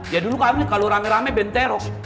ya dulu kami kalau rame rame benterok